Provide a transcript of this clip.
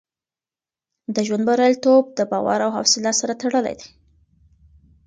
د ژوند بریالیتوب د باور او حوصله سره تړلی دی.